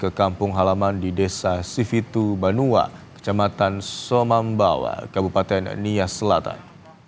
ke kampung halaman di desa sivitu banua kecamatan somambawa kabupaten nia selatan